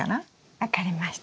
分かりました。